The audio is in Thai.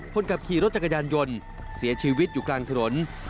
คนขับขี่รถจักรยานยนต์เสียชีวิตอยู่กลางถนน